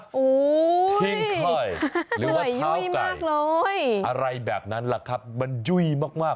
โอ้ยหยุ่ยมากเลยทิ้งไข่หรือว่าเท้าไก่อะไรแบบนั้นแหละครับมันยุ่ยมาก